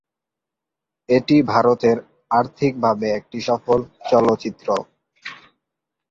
এটি ভারতের আর্থিকভাবে একটি সফল চলচ্চিত্র।